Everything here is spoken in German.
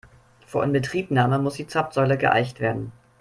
Vor Inbetriebnahme muss die Zapfsäule geeicht werden.